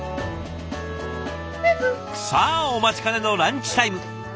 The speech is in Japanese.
さあお待ちかねのランチタイム。